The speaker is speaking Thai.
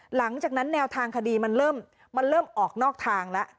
หลังจากนั้นแนวทางคดีมันเริ่มออกนอกทางแล้ว